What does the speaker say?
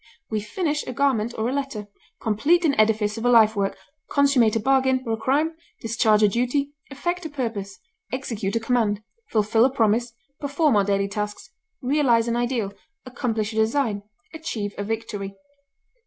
We finish a garment or a letter, complete an edifice or a life work, consummate a bargain or a crime, discharge a duty, effect a purpose, execute a command, fulfil a promise, perform our daily tasks, realize an ideal, accomplish a design, achieve a victory.